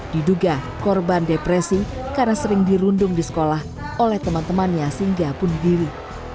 diduga korban depresi karena sering dirundung di sekolah oleh teman temannya sehingga bunuh diri